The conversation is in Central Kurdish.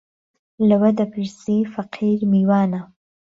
لهوه دهپرسی فهقير ميوانه